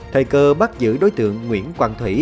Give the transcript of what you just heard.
thời cơ bắt giữ đối tượng nguyễn quang thủy